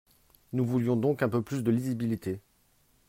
Nous voulions donc un peu plus de lisibilité.